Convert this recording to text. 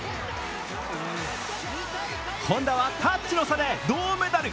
本多はタッチの差で銅メダル。